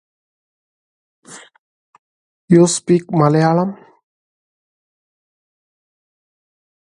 To Adair, it was almost a religion.